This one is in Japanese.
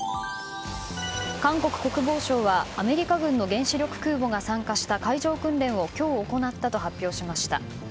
韓国国防省はアメリカ軍の原子力空母が参加した海上訓練を今日行ったと発表しました。